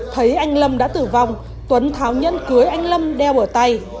thấy anh lâm đã tử vong tuấn tháo nhân cưới anh lâm đeo ở tay